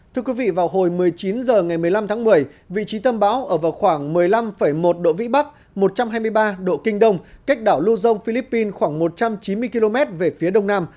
thưa quý vị vào hồi một mươi chín h ngày một mươi năm tháng một mươi vị trí tâm bão ở vào khoảng một mươi năm một độ vĩ bắc một trăm hai mươi ba độ kinh đông cách đảo lưu dông philippines khoảng một trăm chín mươi km về phía đông nam